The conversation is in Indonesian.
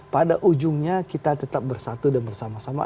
pada ujungnya kita tetap bersatu dan bersama sama